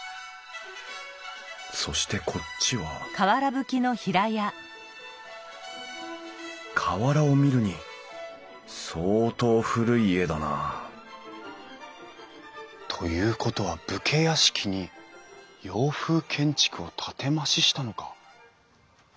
そしてこっちは瓦を見るに相当古い家だなということは武家屋敷に洋風建築を建て増ししたのか？